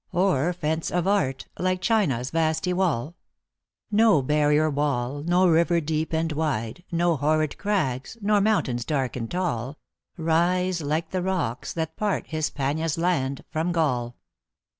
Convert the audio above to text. Or fence of art, like China s vasty wall ? No barrier wall, no river deep and wide, No horrid crags, nor mountains dark and tall, Rise like the rocks that part Hispania s land from Gaul.